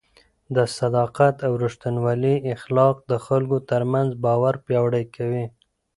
د صداقت او رښتینولۍ اخلاق د خلکو ترمنځ باور پیاوړی کوي.